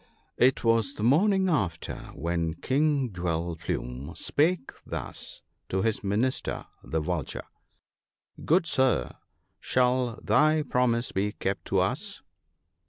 It was the morning after, when King Jewel plume spake thus to his Minister the Vulture —" Good sir, shall thy promise be kept to us